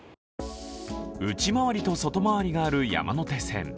内回りと外回りがある山手線。